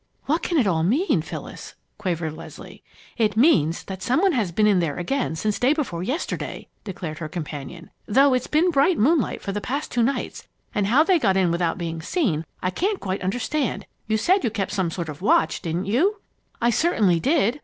"What can it all mean, Phyllis?" quavered Leslie. "It means that some one has been in there again since day before yesterday," declared her companion, "though it's been bright moonlight for the past two nights, and how they got in without being seen, I can't quite understand! You said you kept some sort of watch, didn't you?" "I certainly did.